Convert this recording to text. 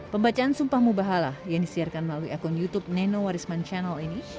pembacaan sumpah mubahalah yang disiarkan melalui akun youtube nenowarisman channel ini